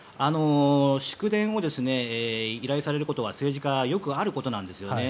祝電を依頼されることは政治家はよくあることなんです。